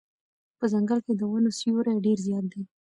په ځنګل کې د ونو سیوری ډېر زیات دی.